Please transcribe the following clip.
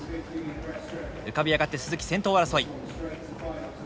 浮かび上がって鈴木先頭争い。